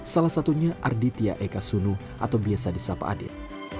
salah satunya arditya eka sunu atau biasa disapa adit